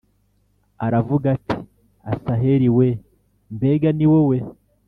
aravuga ati “Asaheli we, mbega ni wowe?”